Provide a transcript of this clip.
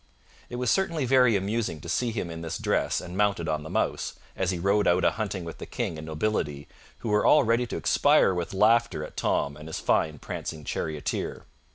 It was certainly very amusing to see him in this dress and mounted on the mouse, as he rode out a hunting with the King and nobility, who were all ready to expire with laughter at Tom and his fine prancing charioteer.